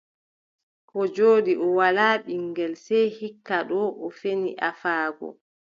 Koo jooɗi, o walaa ɓiŋngel, sey hikka doo o feni afaago.